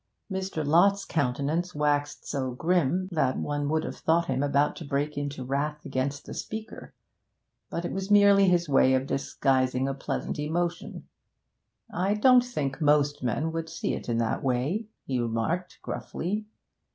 Mr. Lott's countenance waxed so grim that one would have thought him about to break into wrath against the speaker. But it was merely his way of disguising a pleasant emotion. 'I don't think most men would see it in that way,' he remarked gruffly.